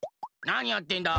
なにやってんだ？